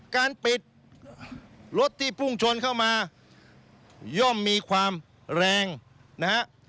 การปิดรถที่พุ่งชนเข้ามาย่อมมีความแรงนะฮะ